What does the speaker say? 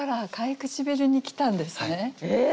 え！